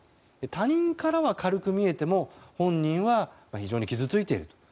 他人からは軽く見えても本人は非常に傷ついていると。